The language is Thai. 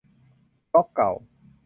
บล็อกเก่า